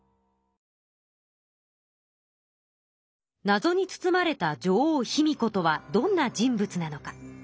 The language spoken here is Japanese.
なぞに包まれた女王・卑弥呼とはどんな人物なのか。